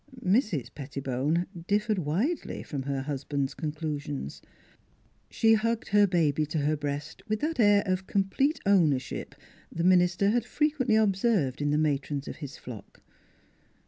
Mrs. Pettibone differed widely from her hus band's conclusions. She hugged her baby to her breast with that air of complete ownership the minister had frequently observed in the matrons of his flock.